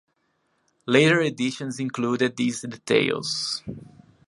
Later editions included these details.